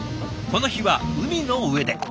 この日は海の上で。